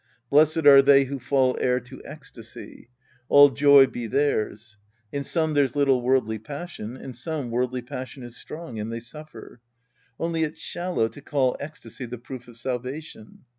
Blessed are they who fall heir to ecstasy. All joy be theirs. In some there's little worldly passion, in some worldly passion is strong, and they suffer. Only it's shallow to call ecstasy the proof of salvation.